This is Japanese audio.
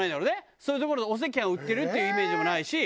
そういう所でお赤飯を売ってるっていうイメージもないし。